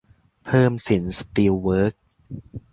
เพิ่มสินสตีลเวิคส์